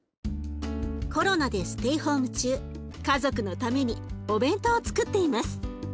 コロナでステイホーム中家族のためにお弁当をつくっています。